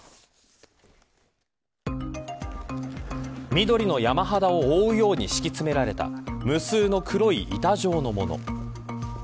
緑の山肌を覆うように敷き詰められた無数の黒い板状のもの。